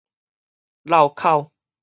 落口